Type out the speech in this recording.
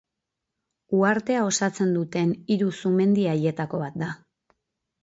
Uhartea osatzen duten hiru sumendi handietako bat da.